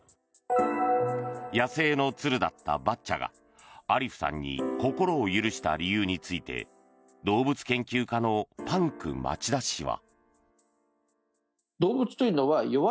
野生の鶴だったバッチャがアリフさんに心を許した理由について動物研究家のパンク町田氏は。